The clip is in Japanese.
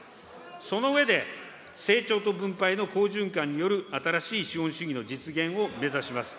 その上で、成長と分配の好循環による新しい資本主義の実現を目指します。